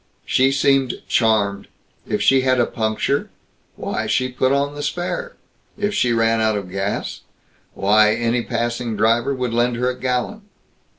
She seemed charmed; if she had a puncture why, she put on the spare. If she ran out of gas why, any passing driver would lend her a gallon.